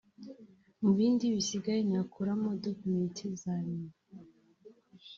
mu bindi bisigaye nakuramo documents zanye